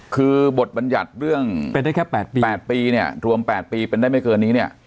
คือบทบรรยัติเรื่อง๘ปีเนี่ยรวม๘ปีเป็นได้ไม่เกินนี้เนี่ย